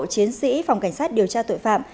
chiến sĩ phòng cảnh sát điều tra tội phạm